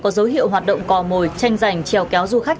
có dấu hiệu hoạt động cò mồi tranh giành trèo kéo du khách